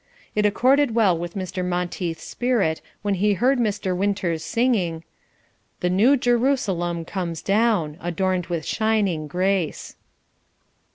It accorded well with Mr. Monteith's spirit when he heard Mr. Winters singing "The New Jerusalem comes down. Adorned With shining grace."